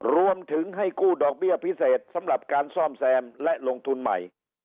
รวมถึงให้กู้ดอกเบี้ยพิเศษสำหรับการซ่อมแซมและลงทุนใหม่